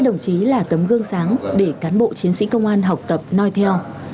đó là tấm gương sáng để cán bộ chiến sĩ công an học tập nói theo